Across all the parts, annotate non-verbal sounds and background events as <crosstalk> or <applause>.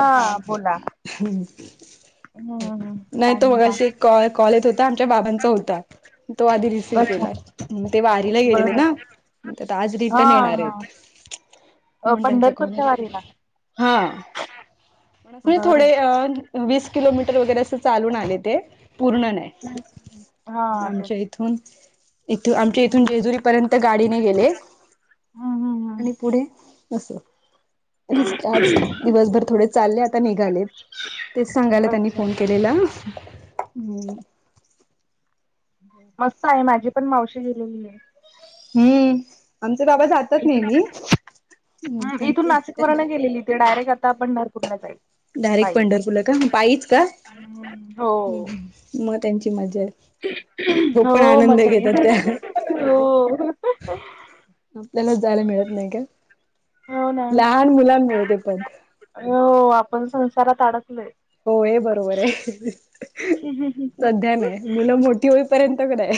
हा बोला. <inaudible> हम्म नाही काय तो म्हणता? मगाशी एक कॉ-कॉल येत होता आमच्या बाबांचा होता. तो आधी रिसिव अच्छा केला मं ते वारीला गेलेले बरोबर ना. म तेत आज हा रिटर्न येणार आहेत. हा मुंड्याचं कॉल पंढरपूरच्या वारीला आहे हा बरं. थोडे अ वीस किलोमीटर वगैरे अस चालून आले ते पूर्ण नाही. हा आमच्या तेच इथून इथ, आमच्या इथून हम्म जेजुरी पर्यंत गाडीने गेले हम्म हम्म आणि पुढे असं. हिच की आज दिवसभर थोडे चालले, आता निघाले तेच सांगायला त्यांनी अच्छा फोन केला. बेला, हम् मस्त आहे, माझी पण मावशी गेलेली आहे. हम्म, आमचे बाबा जातात नेहमी हम्म ह इथून नाशिक त्यांच वरन गेलेली होती, डायरेक्ट आता पंढरपूरला जाईल. डायरेक्ट बाई पंढरपूरला का, पाईच का? हो मग त्यांची मज्जा आहे. तो हो पण आनंद मजा घेतात ये, त्या हो आपल्याला जायला मिळत नाही का? हो ना लहान मुलांमुळे ते पण. हो, आपण संसारात अडकलोय. हो हे बरोबर आहे, सध्या नाही. मुलं मोठी होईपर्यंत कनाय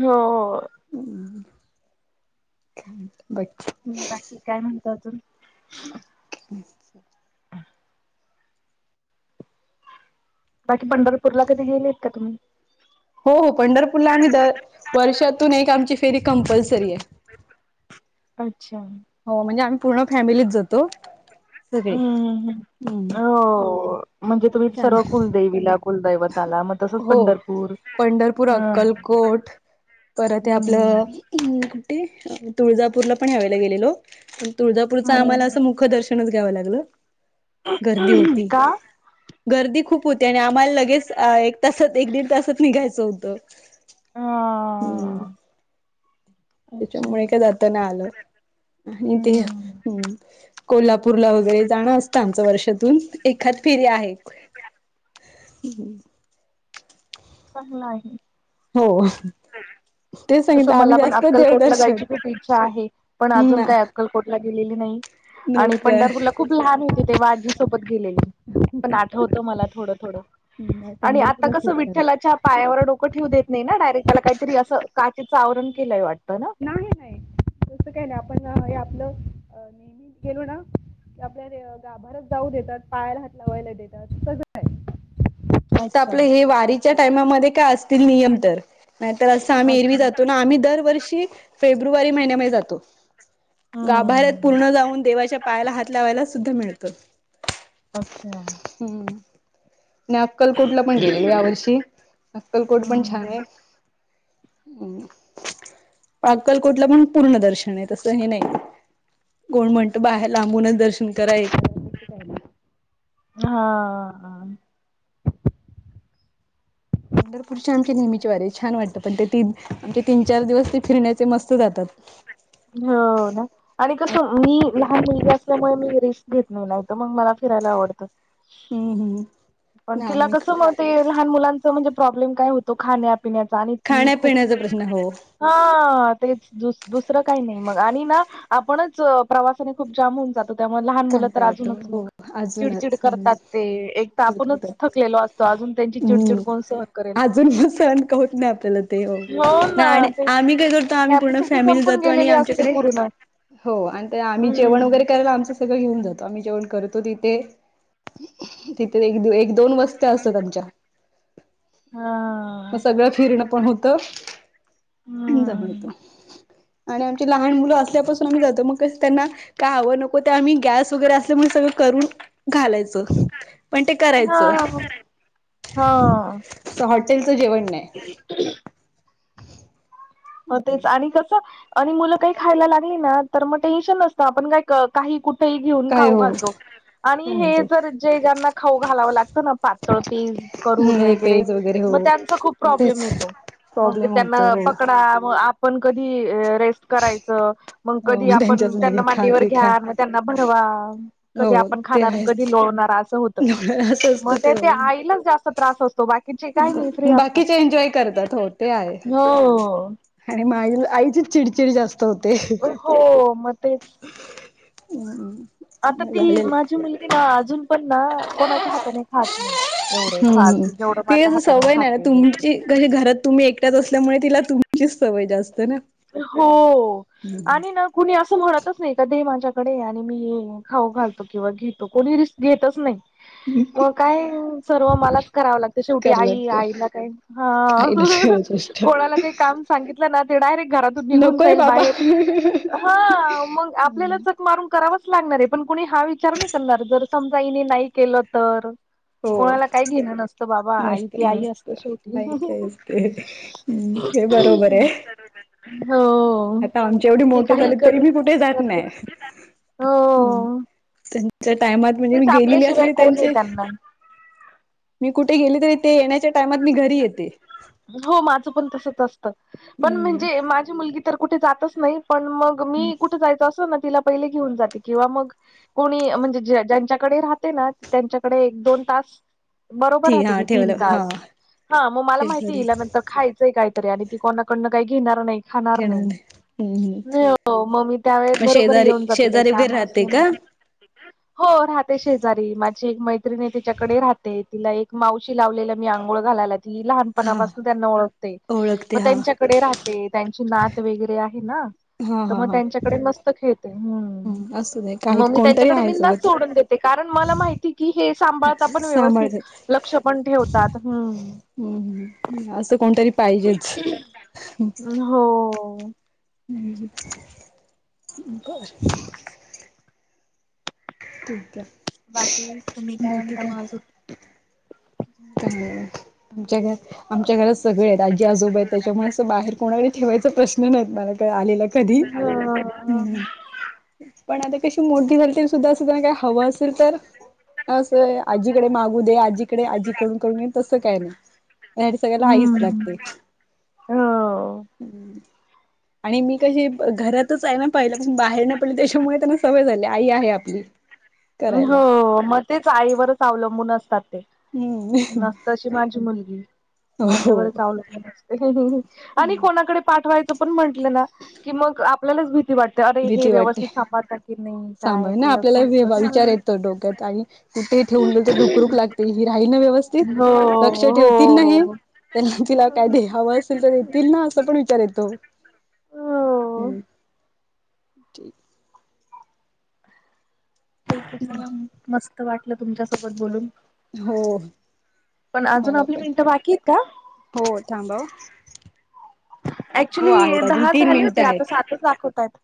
हो-होय ह <unintelligible> बट ह, बाकी काय म्हणतो आजून? ब <inaudible> बाकी पंढरपूर ला कधी गेलेत का तुम्ही? हो- हो पंढरपूरला आम्ही दर, वर्षातून एक आमची फेरी कंपल्सरी आहे. अच्छा! हो, म्हणजे आम्ही पूर्ण फॅमिलीच जातो. सगळे हम्म, हम्म हो म्हणजे तुम्ही छान आहे सर्व कुलदेवीला फुलदैवतला, मग तसच हो पंढरपूर पंढरपूर ह अक्कलकोट परत हे आपलं कुठे? तुळजापूरला पण ह्या वेळेला गेलेलो. पण तुळजापूरचा आम्हाला असं मुखदर्शन घ्याव लागलं, गर्दी होती, का गर्दी खूप होती आणि आमाला ल तेच एक तासात एक दीड तासात निघायच होतं. हम्म हा अच्छा त्याच्यामुळे काय जाता नाय आलं, आणि ते हम्म कोल्हापूरला वगैरे जाणं असतं आमच वर्षातून एखाद फेरी आहेत. चांगला आहे. हो. ते सांगितलं तसं मला आम्ही पण जास्त अक्कलकोटला देवदर्शन जायची खूप इच्छा आहे. पण अजून ना काय अक्कलकोट ला गेलेली नाही. आणि नोकर पंढरपूरला खूप लहान होते तेव्हा आजी सोबत गेलेली. पण आठवत मला थोडं थोडं, नाही, आणि आता पंढरपूरला खूप कसं छान आहे. विठ्ठलाच्या पायावर डोकं ठेवू देत नाही ना, डायरेक्ट त्याला काहीतरी असं काचेचं आवरण केलंय वाटतं ना? <inaudible> नाही नाही तसं काय नाही, आपण हे आपलं नेहमी गेलो ना कि आपल्याला गाभाऱ्यात जाऊ देतात. पायाला हात लावायला देतात. तस काय अच्छा आपलं हे वारीच्या टायमामध्ये काय असतील नियम तर? नाही तर असं आम्ही अच्छा एरवी जातो ना आम्ही दरवर्षी फेब्रुवारी महिन्या मध्ये जातो. गाभाऱ्यात हम्म पूर्ण जाऊन देवाच्या पायाला हात लावायला सुद्धा मिळत. अच्छा! हम्म. आणि अक्कलकोटला पण गेलेलो यावर्षी, अक्कलकोट पण छान हम्म आहे. ह. <unintelligible> अक्कलकोटला पण पूर्ण दर्शन आहे तसं हे नाही. कोण म्हणतं बाहेर लांबूनच दर्शन करायेत. हा हा. पंढरपूरची आमची नेहमीची वारी छान वाटतं पण ते तीन आमचे तीन, चार दिवस ते फिरण्याचे मस्त जातात. हो ना. आणि कस मी लहान मुलगी असल्यामुळे मी रिस्क घेत नाही नाहीत मग मला फिरायला आवडत. हम्म हम्म पण ना तिला आम्ही कस म ते लहान मुलांच म्हणजे प्रब्लेम काय होतो खाण्यात पीण्यातचा आणि ती खूप खाण्यापिण्याचा प्रश्न हो <inaudible> हा तेच दुस दुसर काही नाही मग आणि आपणच प्रवासाने खूप जाम होऊन जातो. त्यामुळे लहान मुलं काणता तर येतो अजूनच हो मग चिडचिड अजूनच करतात ते एक तर करत आपणच थकलेलो असतो अजून त्यांची हम्म, चिडचिड कोण सहन करेल अजून पण सहण का होत नाही आपल्याला ते हो अ ना आणि तेच आम्ही काय करतो आम्ही पूर्ण कॅपॅसिटी फॅमिली संपून जातो तो गेलेली आमच्या असते कडे पूर्ण हो आणि आम्ही जेवण हम्म वगैरे काय तर आमचं सगळं घेऊन जातो आम्ही जेवण करतो तीते तितलं एक दोन वस्त्या असतात आमच्या. हा. मग सगळं फिरणं पण होत जम्हण हम्म तो. आणि आमची लहान मुलं असल्यापासून आम्ही जातो मग त्यांना काय हवं नको ते आम्ही गॅस वगैरे असल्यामुळेण सगळ करून घालायचो. हा हा. तेल च जेवण नाही. ह <inaudible> तेच आणि कस आणि मुलं काही खायला लागली ना तर मग टेन्शन नसतं आपण काय काही कुठेही घेऊन काय खाऊ हो घालतो काय आणि हे म्हणतो जर जे ज्याना खाऊ घालावं लागत ना पातळ पीस करून हे वगैरे पेज मग हो त्यांचा खूप मग तेच प्रॉब्लेम येतो. मग प्रॉब्लेम त्यांना होतो हो पकडा मग आपण कधी रेस्ट करायच मग हो कधी आपण त्यांच्याच त्यांना मागे खा मांडीवर ते खा घ्या मग त्यांना भरवा कधी हो आपण ते खणार, आहेच. कधी लोणार अस असं मग असतं ते ते हो आईलाच जास्त त्रास असत बाकीचे काही नाही फ्री असतात, बाकीचे एन्जॉय बाकीचे करतात एन्जॉय हो ते आहे. करतात, हो. आणि मा आईची चिडचिडी जास्त त होते हो मग तेच हम्म. आता ती माझी मुलगी ना अजून पण ना कोणाच्या हाताने खात नाही. एवढं हम्म हम्म फास्ट जेवढ ती अस सवय नाही ना तुमची कशी घरात तुम्ही एकट्यात असल्यामुळे तिला तुमचीच सवय जास्त ना. हो आणि ना कुणी असं म्हणतच नाही काध माझ्याकडे आणि मी ये खाऊ घालतो किंवा घेतो कोणी रिस्क घेतच नाही. मग काय सर्व मलाच करावं लागत शेवटी कर आई, लागतं आईला काय आईलाच हा गरज असतं कोणाला काही काम सांगितलं ना ते डायरेक्ट घरातून निघून नको रे जाईल बाबा बाहेर हा मग आपल्याला चक मारून करावच लागणार आहे पण कुणी हा विचार नाही करणार जर समजा इने नाही केलं तर. हो कोणाला काही घेण नसतं बाबा आई नसत ती आई नसत असते शेवटी. काही काही असते हे बरोबर आहे हो.. आता आमच्या एवढे ते मोठे काही झाले तरी करू मी कुठे जात नाही. करतेच. हम्म, हो. त्यांच्या टायमात म्हणजे मी तेच गेलेली आपल्याशिवाय असली तर कोण आहे त्यांचे त्यांना मी कुठे गेले, तरी ते येण्याच्या टायमात मी घरी येते हो माझं पण तसच असतं पण म्हणजे हम्म माझी मुलगी तर कुठे जातच नाही, पण मग मी कुठं जायचं असल ना तिला पहिले घेऊन जाते, किंवा मग कोणी म्हणजे, ज्यांच्याकडे राहते ना त्यांच्याकडे एक दोन तास बरोबर ठीक राहते हा ती तीन ठेवलं हा तास हा मग मला माहि शेजारी त्या नंतर खायचंय काहीतरी आणि ती कोणाकडनं काही घेणार नाही खाणार घेणार नाही, हम्म हम्म हो मग मी त्या वळेस मग बरोबर शेजारी येऊन जाते काही शेजारी वगैरे काम राहते असले का? माझे ठीकय? हो राहते, शेजारी माझी एक मैत्रिणी तिच्याकडे राहते तिला एक मावशी लावलेलीय मी आंघोळ घालायला ती लहान हा. पणापासून त्यांना ओळखते ओळखते मग हा. त्यांच्याकडे राहते, त्यांची नात वगैरे आहे ना? हा तर हा मग हा त्यांच्याकडे मस्त खेळते हम्म ह असू दे काही मग मी कोणतरी त्यांच्याकडे आहे बिनधास्त सोबत सोडून देते. ते कारण मला माहिती की हे सांभाळता, पण व्यवस्थित सांभाळते. लक्ष पण ठेवतात. ह्म हम् हम्, असं कोणतरी पाहिजेच हो ह् ब <unintelligible> <inaudible> ठीक आहे. बाकी तुम्ही काय म्हणता म आजून? काय नाय बाकी, आमच्या घर आमच्या घरात सगळे आहेत आजी आजोब आहेत त्याच्यामुळे असं बाहेर कोणाडे ठेवायचा प्रश्न नाय येत मला काय आलेला कधी? ह हम् पण आता कशी मोठी झाली, तरी सुद्धा असं काय हवं असेल तर? असंय, आजीकडे मागू दे आजीकडे आजीकडून करून घे तसं काय नाय आणि सगळ्याला आईच हम्म लागते हो. आणि मी कशी घरातच आहे ना पाहिल्यापासून बाहेर नाय पडली त्याच्यामुळे त्यांना सवय झाली आई आहे आपली करायला हो, मग तेच आईवरच अवलंबून असतात, ते हम्म नसतं माझी मुलगी हो माझ्यावरच अवलंबून असते आणि कोणाकडे पाठवा यच म्हटलं ना, की मग आपल्यालाच भीती वाट अरे हे भीती वाटते. व्यवस्थित सांभाळता की नाही? काय सांभाळ ना ते असं हो आपल्याला विचार येतो डोक्यात आणि ते ठेवून म्हणजे रुखरुख लागते ही राहील ना व्यवस् स्थीत लक्ष हो ठेवतील ना? हे हो त्यांना तिला काय हावं असेल तरी तील ना असं पण विचार येतो, हो हम् ठीकय, चला म मस्त वाटलं तुमच्यासोबत बोलून हो पण अजून मला आपली पण मिनटं बाकीयत का? हो थांबा वो ऍक्चुली दहा तीन झाले होते. मिनिटं आहेत. आता सातच दखवतायत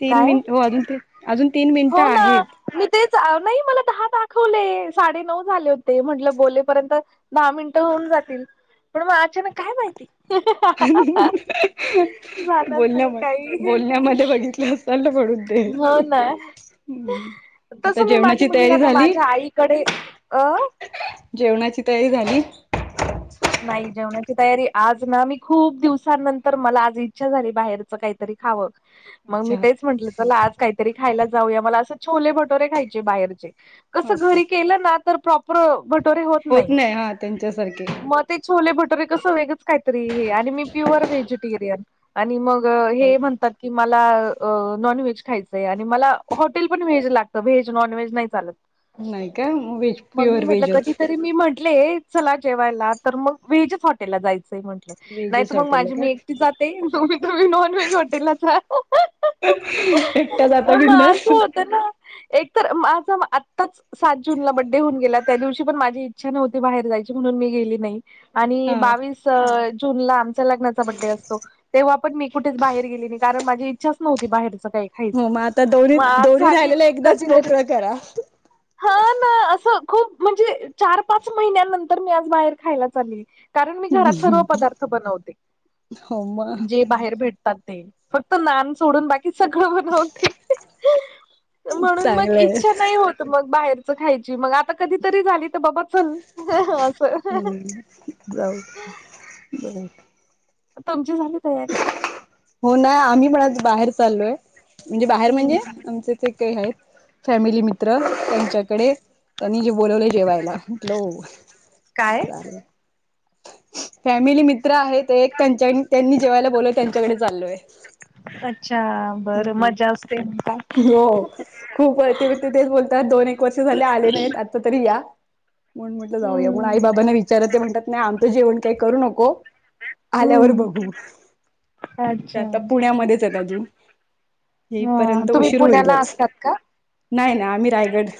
तीन मिनिट, हो आजून तीन आजून तीन मीनि हो ना.. मी तेच नाही मला दहा दाखवले, साडे नऊ झाले होते म्हंटलं बोलेपर्यंत दहा मिनटं होऊन जातील, पण मग अचानक काय माहिती <inaudible> झालं असेल बोलण्यामध्ये काही बोलण्यामध्ये बघितले असाल ना म्हणून हो ना आता तसं मी माझ्या जेवणाची मुलीला तयारी ना झाली? माझ्या आईकडे, अ? जेवणाची तयारी झाली? नाही जेवणाची तयारी आज ना मी खूप दिवसांनंतर मला आज इच्छा झाली बाहेरचं काय तरी खाव मंग मी अच्छा तेच म्हटलं चला आज कायतरी खायला जाऊया मला असं छोले भटोरे खायचे बाहेरचे. हो कसं का घरी केलं ना तर प्रॉपर बट होत नाय हा त्यांच्यासारखे म ते छोले भटोरे कसं वेगंच कायतरी हे आणि मी प्युअर व्हेजिटेरियन आणि मग ग हो हे म्हणतात की मला अ नॉनव्हेज खायचंय आणि मला हॉटेल पण व्हेज लागतं व्हेज नॉन व्हेज नाय चालत. नाही का मग व्हेज मग मी प्युअर म्हटलं व्हेजच कधीतरी मी म्हंटले चला जेवायला तर मग व्हेजच हॉटेला जायचंय म्हंटलं. नाय त व्हेजच मग हॉटेल माझी आहे मी एकटी का जाते तुम्ही तुम्ही नॉन व्हेज हॉटेलला जा. एकट्या जाता मग बिंदास असं होतं ना एक तर माझं आत्ताच सात जून ला बड्डे होऊन गेला त्या दिवशी पण माझी इच्छा नव्हती बाहेर जायची म्हणून मी गेली नाही आणि अ हा बावीस जूनला आमच्या लग्नाचा बड्डे असतो. तेव्हा पण मी कुठच बाहेर गेली नाही कारण माझी इच्छाच नव्हती बाहेरचं काही, हो खायची. म आता दोन्ही मग आज दोन्ही झाली राहिलेला एकदाच कधीतरी मोकळं करा. हा ना असं खूप म्हणजे चार पाच महिन्यानंतर मी आज बाहेर खायला चालली कारण मी घरात सर्व पदार्थ बनवते हो मग जे बाहेर भेट तात ते फक्त नान सोडून बाकी सगळं बनवते. म्हणून मग चांगलंय इच्छा नाय होत मग बाहेरच खायची मग आता कधी तरी झाली तर बाबा चल अस हम्म जाऊ <unintelligible> तुमची झाली तयारी. हो नाय आम्ही पण आज बाहेर चाललोय म्हणजे बाहेर म्हणजे आमच ते ते हायेत फॅमिली मित्र त्यांच्याकडे त्यांनी जे बोलवलय जेवायला म्हटलं हो काय चाले फॅमिली मित्र आहेत एक त्यांच्याकं त्यांनी जेवायला बोलव त्यांच्याकडे चाललोय. अच्छा बरं हम्म मजा असते का? हो खूप व ते पण तेच बोलतात दोन एक वर्ष झाले आले नाहीत आत ता तरी या म्हणून म्हटलं जाऊया म्हणून आई हम्म बाबांना विचार ते म्हणतात नाय आमतं जेवण काय करू नको. आल्यावर हम्म बघू. ते अच्छा. आता पुण्यामध्येचं येत अजून येई हा पर्यंत तुम्ही उशीर पुण्याला होईलचं. असतात का? नाय नाय आम्ही रायगड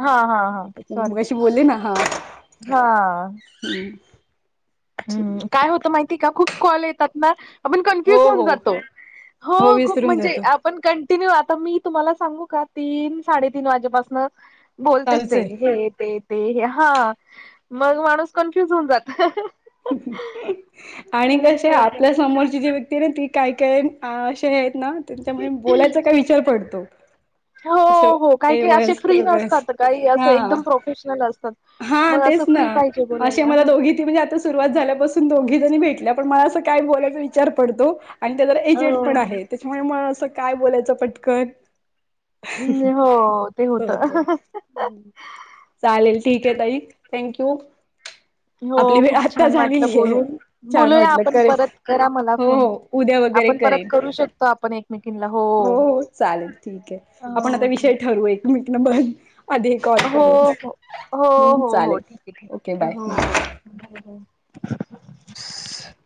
हा हा हा त्याच्यामुळे सॉरी मगाशी बोलले ना हा हा <inaudible> ठीक हम्म काय होतं माहितीय का खूप कॉल येतात ना आपण हो कन्फ्युज होऊन हो जातो. हो खूप विसरून म्हणजे जातो आप पण कंटिन्यू आता मी तुम्हाला सांगू का तीन साडेतीन वाजेपासन बोलतेच चालूच ये आहे हे ते ते हे हा मग माणूस कन्फ्युज होऊन जात. आणि कसे आपल्या समोरची जी व्यक् ती नं ती काय काय असे ये येत न त्यांमुळे बोलायचा काय विचार पडतो. हो असं हो काही हे काही असे फ्री वयस्कर वगैरे नसतात. काही असं एकदम हा प्रोफेशनल असतात. हा मग असं तेच ना फ्री पाहिजे असे बोलायला मला दोघी ती म्हणजे आता सुरुवात झाल्यापासून दोघी जणी भेटल्या पण मला असं काय बोलायचा विचार पडतो. आणि त्या जरा एजेड हो पण आहे त्याच्यामुळे म अस काय बोलायच पटकन. हम् हो ते असं होत. होतय. चालेल ठीक आहे ताई. Thank you. हो. खूप छान छान वाटल बोलून. छान बोलूया वाटलं आपण करेल परत करा मला हो फोन हो उद्या वगैरे आपण परत करेन. करू शको तर आपन एक मीटिंग ला हॊ. हो हो चालेल ठीक आहे. आपण आता विषय ठीक ठरवू एकमेकिना पण अधि हो हो हो हो हो चालेल. ठीक आहे ठीक ओके आहे बाय. हो. <inaudible> <inaudible>